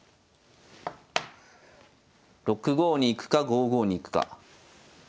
６五に行くか５五に行くか。